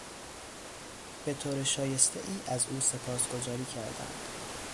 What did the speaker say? به طور شایستهای از او سپاسگزاری کردند.